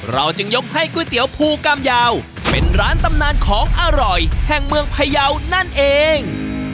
เราจึงยกให้ก๋วยเตี๋ยวภูกรรมยาวเป็นร้านตำนานของอร่อยแห่งเมืองพยาวนั่นเอง